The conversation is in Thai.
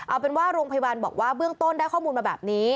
เอาเป็นว่าโรงพยาบาลบอกว่าเบื้องต้นได้ข้อมูลมาแบบนี้